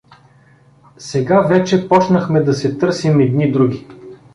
Сега вече почнахме да се търсим едни други.